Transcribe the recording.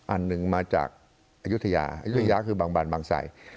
อันหนึ่งมาจากอายุทยาอายุทยาคือบางบันบางไส